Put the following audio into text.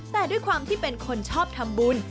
แต่ด้วยความที่เป็นคนชอบทำบุญ